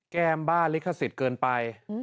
แก้มบ้าลิขสิทธิ์เกินไป